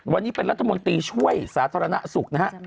วันนี้เป็นรัฐมนตรีช่วยสาธารณสุขนะฮะ